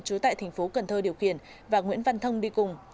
trú tại thành phố cần thơ điều khiển và nguyễn văn thông đi cùng